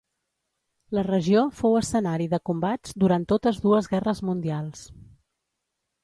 La regió fou escenari de combats durant totes dues guerres mundials.